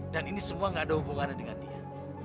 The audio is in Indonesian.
dan ini semua gak ada hubungannya dengan dia